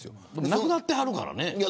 亡くなってはるからね。